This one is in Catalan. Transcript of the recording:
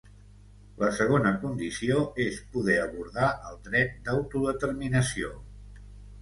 La segona condició és poder abordar el dret d’autodeterminació.